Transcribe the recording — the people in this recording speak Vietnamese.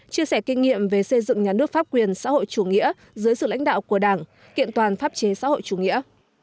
chia sẻ kinh nghiệm về xây dựng nhà nước pháp quyền xã hội chủ nghĩa dưới sự lãnh đạo của đảng kiện toàn pháp chế xã hội chủ nghĩa